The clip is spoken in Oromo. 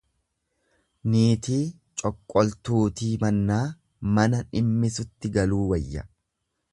Niitii coqqoltuutii mannaa mana dhimmisutti galuu wayya.